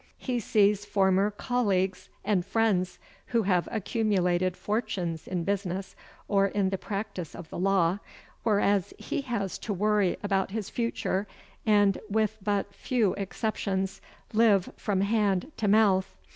He sees former colleagues and friends who have accumulated fortunes in business or in the practice of the law, whereas he has to worry about his future and, with but few exceptions, live from hand to mouth.